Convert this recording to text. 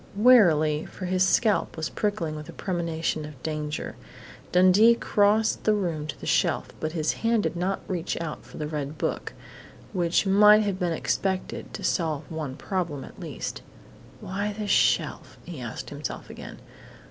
Warily, for his scalp was prickling with a premonition of danger, Dundee crossed the room to the shelf, but his hand did not reach out for the red book, which might have been expected to solve one problem, at least. "Why the shelf?" he asked himself again.